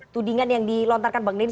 tudingan yang dilontarkan bang denn